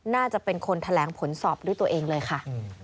น่าจะเป็นคนแถลงผลสอบด้วยตัวเองเลยค่ะ